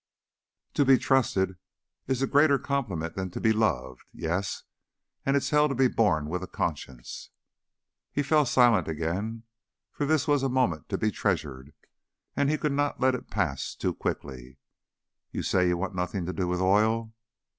"To be trusted is a greater compliment than to be loved. Yes, and it's hell to be born with a conscience." He fell silent again, for this was a moment to be treasured and he could not let it pass too quickly. "You say you want nothing to do with oil?"